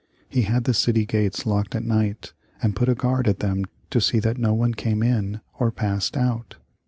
He had the city gates locked at night, and put a guard at them to see that no one came in or passed out.